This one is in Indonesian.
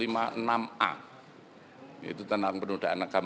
yaitu tanda penodaan agama